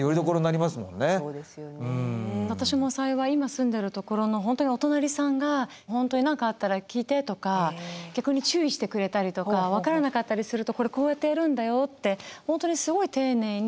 私も幸い今住んでるところの本当にお隣さんが本当に何かあったら聞いてとか逆に注意してくれたりとか分からなかったりするとこれこうやってやるんだよって本当にすごい丁寧に。